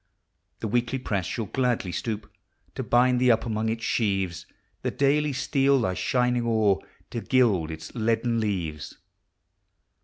The Weekly press shall gladly stoop To bind thee up among its sheaves; The Daily steal thy shining ore, To gild its leaden leaves.